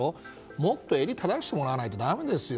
もっと襟を正してもらわないとだめですよ。